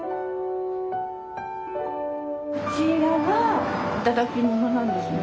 こちらは頂きものなんですね。